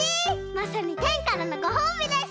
まさにてんからのごほうびです！